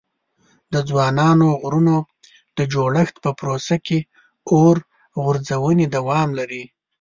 د ځوانو غرونو د جوړښت په پروسه کې اور غورځونې دوام لري.